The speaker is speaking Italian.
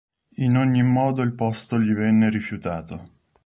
In ogni modo il posto gli venne rifiutato.